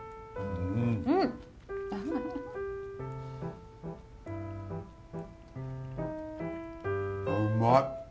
うまい！